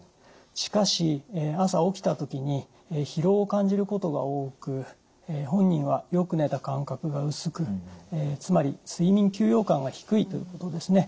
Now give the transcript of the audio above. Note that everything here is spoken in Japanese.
しかし朝起きた時に疲労を感じることが多く本人はよく寝た感覚が薄くつまり睡眠休養感が低いということですね。